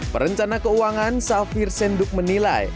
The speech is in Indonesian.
perencana keuangan safir senduk menilai